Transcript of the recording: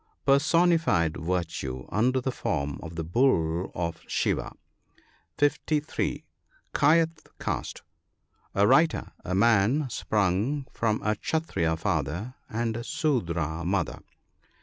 — Personified virtue, under the form of the bull of Shiva. (S3 ) Kdyeth caste. — A. writer; a man sprung from a Kshattriya father and a Sudra mother.